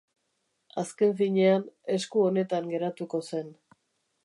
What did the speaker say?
Azken finean, esku onetan geratuko zen.